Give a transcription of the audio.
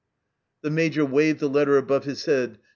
The Major waved the letter above his head.